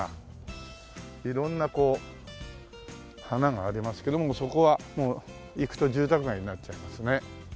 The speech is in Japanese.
色んなこう花がありますけどそこはもう行くと住宅街になっちゃいますね。